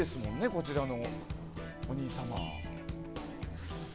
こちらのお兄様。